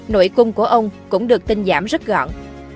nội cung của ông cũng được tinh giảm rất gọn